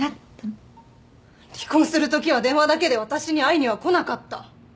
離婚するときは電話だけで私に会いには来なかった。